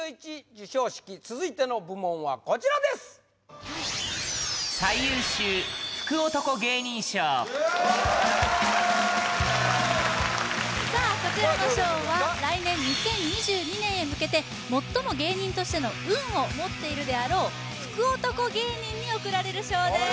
授賞式続いての部門はこちらですさあこちらの賞は来年２０２２年へ向けて最も芸人としての運を持っているであろう福男芸人に贈られる賞です